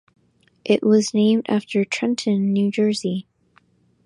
It was named after Trenton, New Jersey.